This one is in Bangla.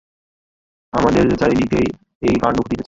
আমাদের চারিদিকেই এই কাণ্ড ঘটিতেছে।